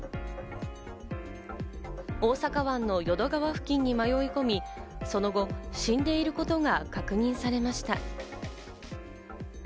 大阪湾の淀川付近に迷い込み、その後、死んでいることが確認されました。